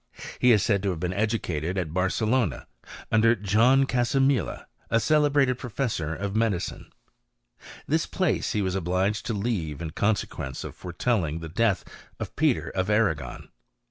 He is said to have been educated at Barcelona, under John Casamila, a celebrated professor of medi cine. This place he was obliged to leave, in consequence of foretelling the death of Peter of Arragon.